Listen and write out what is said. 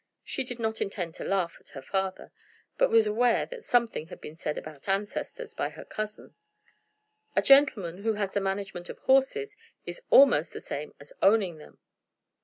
She did not intend to laugh at her father, but was aware that something had been said about ancestors by her cousin. "A gentleman who has the management of horses is almost the same as owning them."